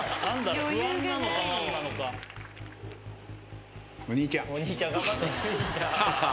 お兄ちゃん。